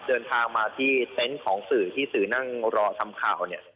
เดินทางมาที่เต็นต์ของสื่อที่สื่อนั่งรอทำข่าวเนี่ย